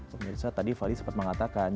pemirsa tadi fadli sempat mengatakan